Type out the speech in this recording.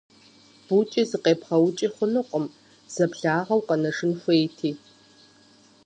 Быукӏи зыкъебгъэукӏи хъунутэкъым, зэблагъэу къэнэжын хуейти.